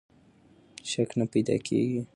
شک نه پیدا کېږي.